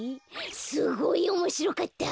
すごいおもしろかった。